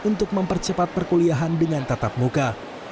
untuk mempercepat perkuliahan dengan tatap muka